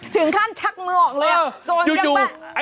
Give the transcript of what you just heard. ถึงขั้นชักมือออกเลยอ่ะ